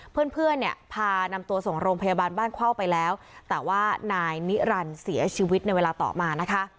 เพื่อนเพื่อนเนี่ยพานำตัวส่งโรงพยาบาลบ้านเข้าไปแล้วแต่ว่านายนิรันดิ์เสียชีวิตในเวลาต่อมานะคะ